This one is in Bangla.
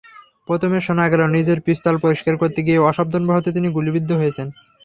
প্রথমে শোনা গেল, নিজের পিস্তল পরিষ্কার করতে গিয়ে অসাবধানতাবশত তিনি গুলিবিদ্ধ হয়েছেন।